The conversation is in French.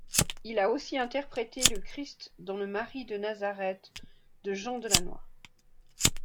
Il a aussi interprété le Christ dans le Marie de Nazareth de Jean Delannoy.